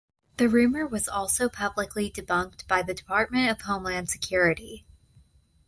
The rumor was also publicly debunked by the Department of Homeland Security.